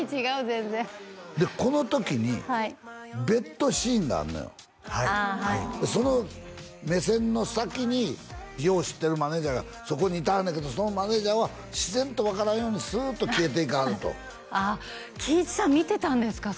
全然この時にベッドシーンがあんのよああはいその目線の先によう知ってるマネージャーがそこにいたんだけどそのマネージャーは自然と分からんようにスーッと消えていかはるとああ貴一さん見てたんですか？